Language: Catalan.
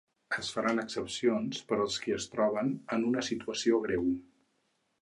Es faran excepcions per als qui es troben en una situació greu.